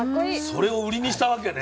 それを売りにしたわけね。